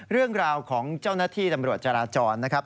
เรื่องราวของเจ้าหน้าที่ตำรวจจราจรนะครับ